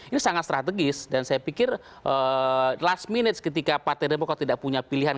ini sangat strategis dan saya pikir last minute ketika partai demokrat tidak punya pilihan